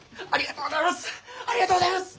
ありがとうございます！